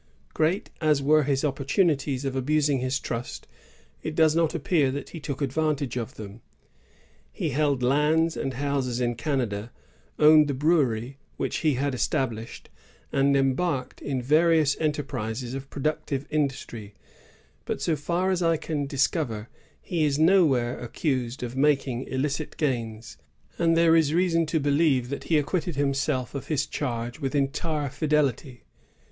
Great as were his opportunities of abusing his trust, it does not appear that he took advantage of them. He held lands and houses in Canada,^ owned the brewery which he had established, and embarked in various enterprises of productive industry; but, so far as I can discover, he is nowhere accused of making illicit gains, and there is reason to believe that he acquitted himself of his charge with entire fidelity.